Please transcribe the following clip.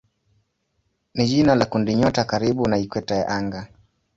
ni jina la kundinyota karibu na ikweta ya anga.